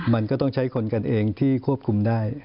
มันก็ต้องใช้คนกันเองที่ควบคุมได้